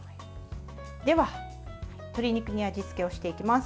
では鶏肉に味付けをしていきます。